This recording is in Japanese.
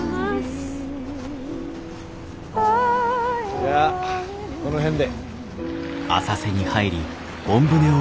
じゃあこの辺で。